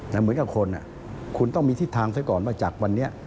เหมือนกับคนคุณต้องมีทิศทางซะก่อนว่าจากวันนี้